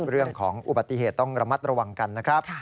เรื่องของอุบัติเหตุต้องระมัดระวังกันนะครับ